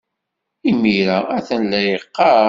Imir-a, a-t-an la yeqqar.